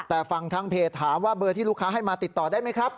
แต่ฝั่งทางเพจถามว่าเบอร์ที่ลูกค้าให้มาติดต่อได้ไหมครับ